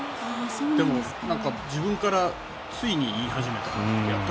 でも自分からついに言い始めたって。